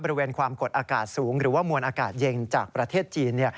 บริเวณความกดอากาศสูงหรือว่ามวลอากาศเย็นจากประเทศจีน